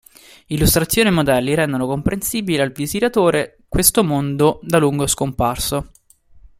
Illustrazioni e modelli rendono comprensibile al visitatore questo mondo da lungo scomparso